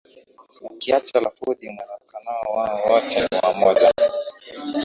Ukiacha lafudhi muonekano wao wote ni wamoja